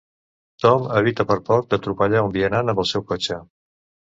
Tom evita per poc, d'atropellar un vianant amb el seu cotxe.